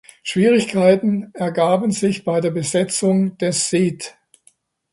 Schwierigkeiten ergaben sich bei der Besetzung des Saeed.